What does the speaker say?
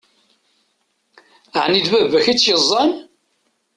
Ɛni d baba-k i tt-yeẓẓan?